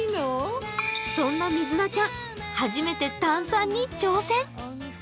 そんなみずなちゃん、初めて炭酸に挑戦。